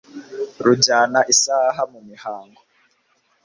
Rujyana isahaha mu mihigo